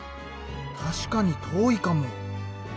確かに遠いかも。